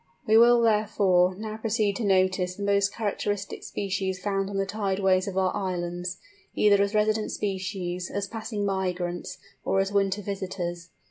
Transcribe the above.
We will, therefore, now proceed to notice the most characteristic species found on the tideways of our islands, either as resident species, as passing migrants, or as winter visitors.